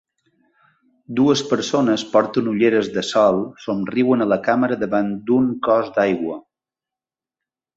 Dues persones porten ulleres de sol somriuen a la càmera davant d'un cos d'aigua.